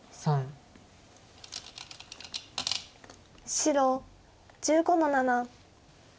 白１５の七。